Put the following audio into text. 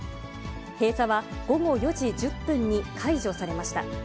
閉鎖は午後４時１０分に解除されました。